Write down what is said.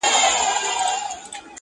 ستا به هم بلا ګردان سمه نیازبیني،